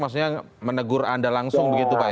maksudnya menegur anda langsung begitu pak